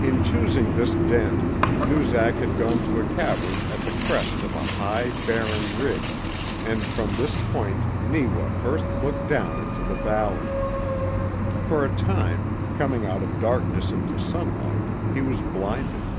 In choosing this den Noozak had gone to a cavern at the crest of a high, barren ridge, and from this point Neewa first looked down into the valley. For a time, coming out of darkness into sunlight, he was blinded.